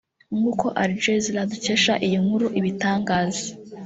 nkuko Aljazeera dukesha iyi nkuru ibitangaza